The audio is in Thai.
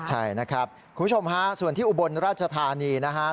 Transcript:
ใช่นะครับคุณผู้ชมฮะส่วนที่อุบลราชธานีนะครับ